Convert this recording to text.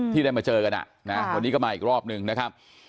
ที่ได้มาเจอกันวันนี้ก็มาอีกรอบนึงนะครับ